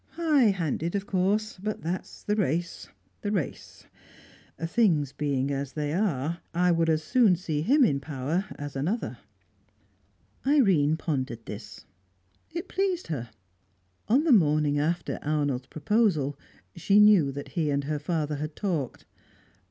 High handed, of course; but that's the race the race. Things being as they are, I would as soon see him in power as another." Irene pondered this. It pleased her. On the morning after Arnold's proposal, she knew that he and her father had talked. Dr.